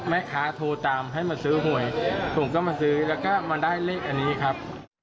โทรตามให้มาซื้อหวยผมก็มาซื้อแล้วก็มาได้เลขอันนี้ครับ